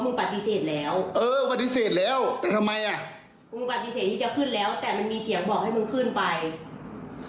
ปฏิเสธแล้วเออปฏิเสธแล้วแต่ทำไมอ่ะมึงปฏิเสธที่จะขึ้นแล้วแต่มันมีเสียงบอกให้มึงขึ้นไป